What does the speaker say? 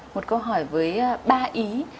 một câu hỏi với ba ý